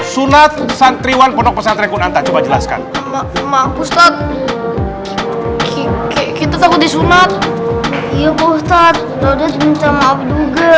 sunat santriwan ponok pesantre kunanta coba jelaskan maksud kita tahu disunat iya ustadz